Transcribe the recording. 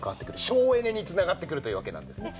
省エネに繋がってくるというわけなんですね。